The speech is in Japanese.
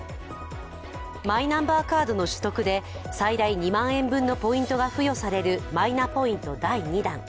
マイナンバーカードの取得で最大２万円分のポイントが付与されるマイナポイント第２弾。